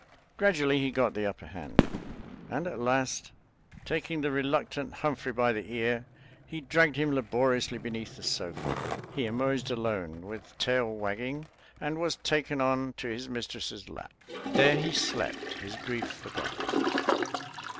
Gradually he got the upper hand; and at last, taking the reluctant Humphrey by the ear, he dragged him laboriously beneath the sofa. He emerged alone, with tail wagging, and was taken on to his mistress's lap. There he slept, his grief forgotten.